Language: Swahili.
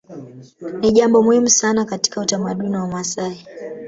Ni jambo muhimu sana katika utamaduni wa Wamasai